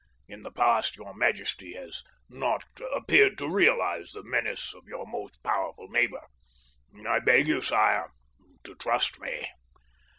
In the past your majesty has not appeared to realize the menace of your most powerful neighbor. I beg of you, sire, to trust me.